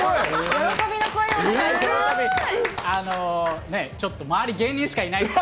喜びの声をお願いします。